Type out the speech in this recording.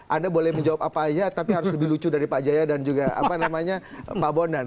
anda boleh menjawab apa aja tapi harus lebih lucu dari pak jaya dan juga pak bondan